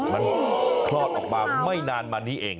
มันคลอดออกมาไม่นานมานี้เอง